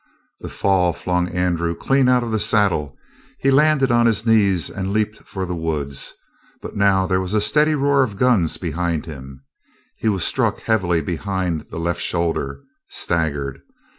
The fall flung Andrew clean out of the saddle; he landed on his knees and leaped for the woods, but now there was a steady roar of guns behind him. He was struck heavily behind the left shoulder, staggered.